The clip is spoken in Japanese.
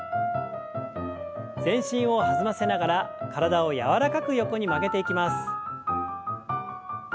全身を弾ませながら体を柔らかく横に曲げていきます。